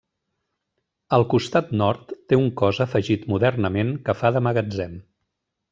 Al costat nord té un cos afegit modernament que fa de magatzem.